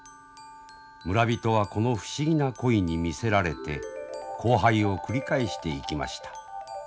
村人はこの不思議な鯉に魅せられて交配を繰り返していきました。